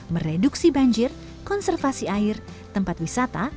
mereduksi banjir konservasi air tempat wisata